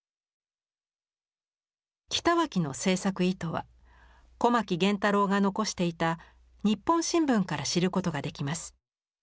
北脇の制作意図は小牧源太郎が残していた「ニッポン新聞」から知ることができます。